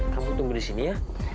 kamu tumbuh di sini ya